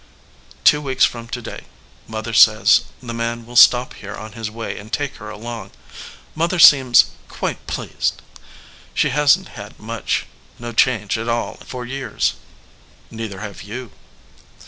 "Two weeks from to day, Mother says ; the man will stop here on his way and take her along. Mother seems quite pleased. She hasn t had much, no change at all for years." "Neither have you."